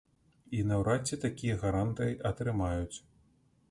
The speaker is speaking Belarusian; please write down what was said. І наўрад ці такія гарантыі атрымаюць.